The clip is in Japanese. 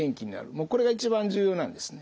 もうこれが一番重要なんですね。